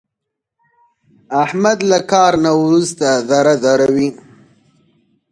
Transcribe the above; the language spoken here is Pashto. احمد له کار نه ورسته ذره ذره وي.